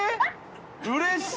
うれしい！